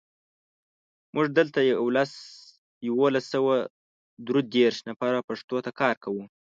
موږ دلته یولس سوه درودېرش نفره پښتو ته کار کوو.